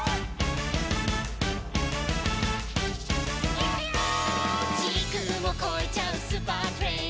「いくよー！」